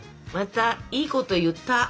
またいいこと言った！